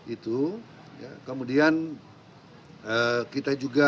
itu kemudian kita juga